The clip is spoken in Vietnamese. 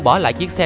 bỏ lại chiếc xe